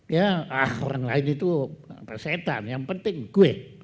ya ah orang lain itu resetan yang penting gue